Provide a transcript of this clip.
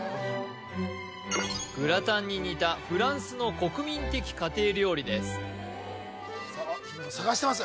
グラタンに似たフランスの国民的家庭料理です探してます